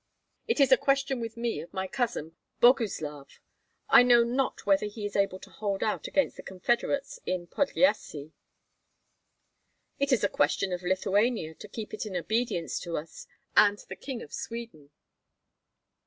"It is a question with me of my cousin Boguslav. I know not whether he is able to hold out against the confederates in Podlyasye." "It is a question of Lithuania to keep it in obedience to us and the King of Sweden."